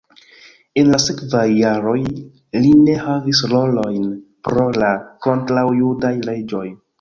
En la sekvaj jaroj li ne havis rolojn pro la kontraŭjudaj leĝoj.